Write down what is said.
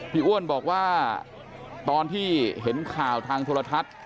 อ้วนบอกว่าตอนที่เห็นข่าวทางโทรทัศน์